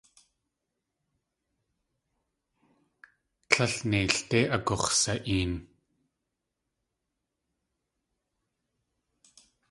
Tlél neildé agux̲sa.een.